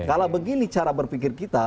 kalau begini cara berpikir kita